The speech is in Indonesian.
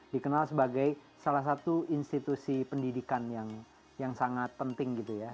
dikenal sebagai salah satu institusi pendidikan yang sangat penting gitu ya